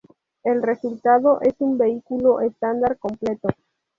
El resultado es un vehículo estándar completo.